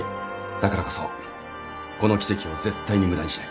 だからこそこの奇跡を絶対に無駄にしない。